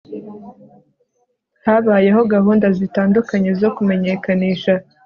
habayeho gahunda zitandukanye zo kumenyekanisha